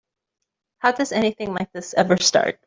How does anything like this ever start?